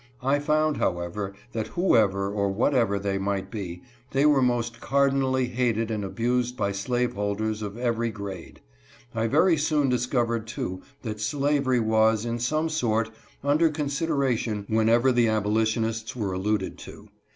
I found, however, that whoever or whatever they might be, they were most cordinally hated and abused by slaveholders of every grade. I very soon dis covered too, that slavery was, in some sort, under consid eration whenever the abolitionists were alluded to.